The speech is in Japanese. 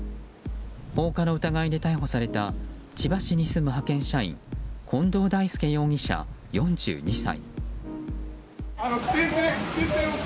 放火の疑いで逮捕された千葉市に住む派遣社員近藤大輔容疑者、４２歳。